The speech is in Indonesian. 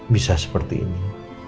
bisa seperti ini